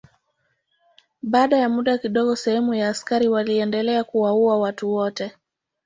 Baada ya muda kidogo sehemu ya askari waliendelea kuwaua watu wote.